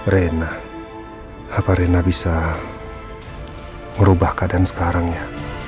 reina apa reina bisa merubah keadaan sekarangnya